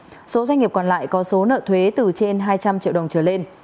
công ty cổ phần doanh nghiệp còn lại có số nợ thuế từ trên hai trăm linh triệu đồng trở lên